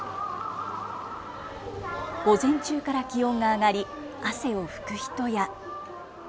午前中から気温が上がり汗を拭く人や。